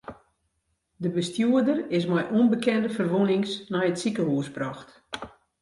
De bestjoerder is mei ûnbekende ferwûnings nei it sikehûs brocht.